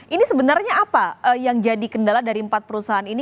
ini sebenarnya apa yang jadi kendala dari empat perusahaan ini